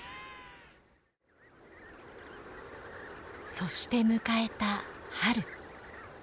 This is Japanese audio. そして迎えた春。